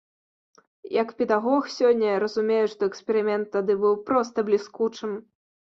Як педагог, сёння я разумею, што эксперымент тады быў проста бліскучым.